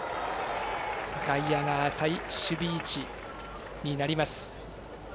外野が浅い守備位置になります。